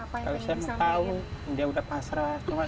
kalau saya mau tahu dia udah pasrah